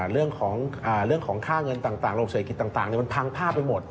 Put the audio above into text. เรื่องของค่าเงินต่างโรงเศรษฐกิจต่างมันพังภาพไปหมด